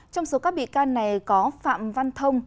trong số các bị can này có phạm văn thông